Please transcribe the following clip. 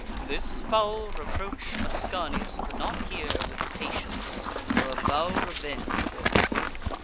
This foul reproach Ascanius could not hear With patience, or a vow'd revenge forbear.